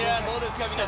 どうですか？